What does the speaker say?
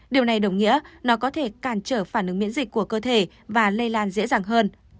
điều này đồng nghĩa nó có thể cản trở phản ứng miễn dịch của cơ thể và lây lan dễ dàng hơn